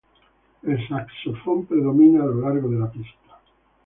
El saxofón predomina a lo largo de la pista.